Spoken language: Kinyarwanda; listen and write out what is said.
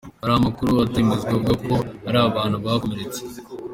Hari amakuru atari yemezwa avuga ko hari abantu bakomeretse.